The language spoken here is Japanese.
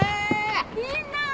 みんな！